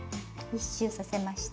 １周させました。